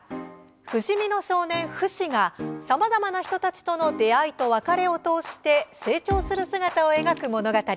不死身の少年、フシがさまざまな人たちとの出会いと別れを通して成長する姿を描く物語。